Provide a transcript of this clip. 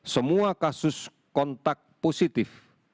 semua kasus kontak positif